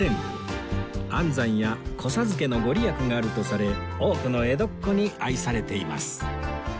安産や子授けのご利益があるとされ多くの江戸っ子に愛されています